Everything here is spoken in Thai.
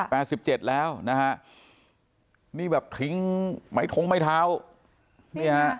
แปดสิบเจ็ดแล้วนะฮะนี่แบบทิ้งไหมทงไหมเท้านี่ฮะ